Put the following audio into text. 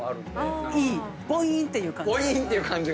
ボイーンっていう感じ。